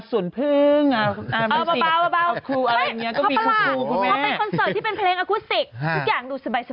จริง